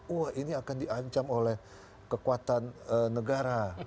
wah ini akan diancam oleh kekuatan negara